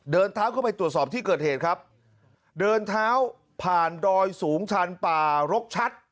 เดินเท้าเข้าไปตรวจสอบที่เกิดเหตุครับเดินเท้าผ่านดอยสูงชันป่ารกชัด